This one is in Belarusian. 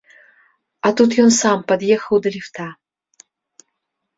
А тут ён сам пад'ехаў да ліфта.